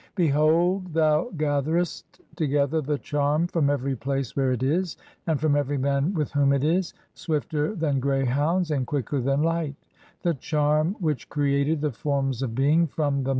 "Behold, thou gatherest together the charm (5) from every place "where it is, and from every man with whom it is, swifter than "greyhounds and quicker than light, [the charm] which created "the forms of being from the